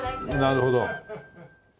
なるほど。